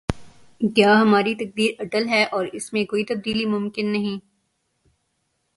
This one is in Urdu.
کیا ہماری تقدیر اٹل ہے اور اس میں کوئی تبدیلی ممکن نہیں؟